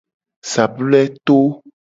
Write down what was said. Sabule to.